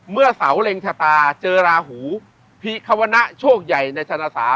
เมื่อเสาเล็งชะตาเจอราหูพิควนะโชคใหญ่ในชนะศาส